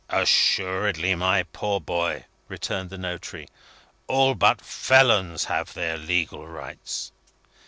"Assuredly, my poor boy," returned the notary. "All but felons have their legal rights."